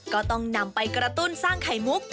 ก็ต้องนำไปกระตุ้นสร้างไข่มุก